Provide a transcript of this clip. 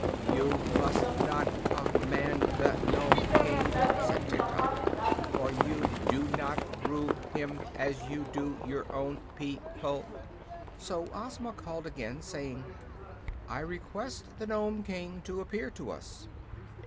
"You must not command the Nome King," said Tiktok, "for you do not rule him, as you do your own peo ple." So Ozma called again, saying: "I request the Nome King to appear to us."